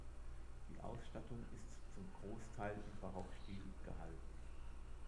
Die Ausstattung ist zum Großteil im Barockstil gehalten.